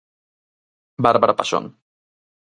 Bárbara Paxón.